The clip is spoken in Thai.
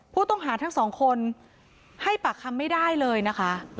ผู้ต้องหาทั้งสองคนให้ปากคำไม่ได้เลยนะคะ